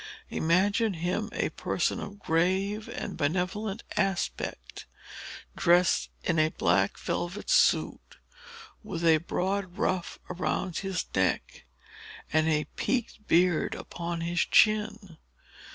Imagine him a person of grave and benevolent aspect, dressed in a black velvet suit, with a broad ruff around his neck and a peaked beard upon his chin.